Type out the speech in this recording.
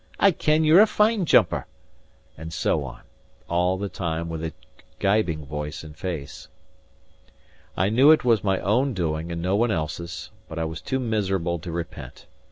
I ken you're a fine jumper!" And so on; all the time with a gibing voice and face. I knew it was my own doing, and no one else's; but I was too miserable to repent.